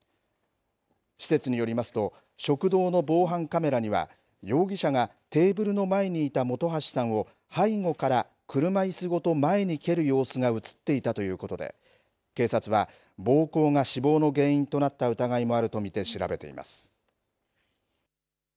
施設によりますと食堂の防犯カメラには容疑者がテーブルの前にいた元橋さんを背後から車いすごと前に蹴る様子が映っていたということで警察は暴行が死亡の原因となった疑いもあると見て調べています。